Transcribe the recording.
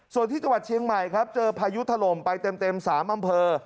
ส่วนที่จังหวัดเชียงใหม่ครับเจอพายุถล่มไปเต็ม๓อำเภอ